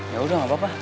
ya udah gak apa apa